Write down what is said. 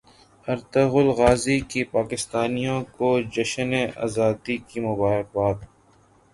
Ertugrul Ghazi کی پاکستانیوں کو جشن زادی کی مبارکباد